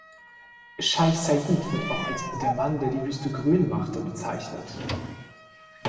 Scheich Zayid wird auch als "der Mann, der die Wüste grün machte" bezeichnet.